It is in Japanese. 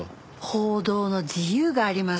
報道の自由があります。